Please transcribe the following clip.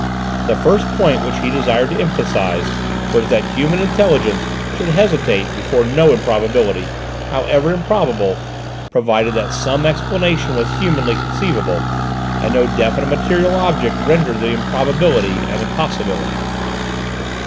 The first point which he desired to emphasise was that human intelligence should hesitate before no improbability, however improbable, provided that some explanation was humanly conceivable, and no definite material object rendered the improbability an impossibility.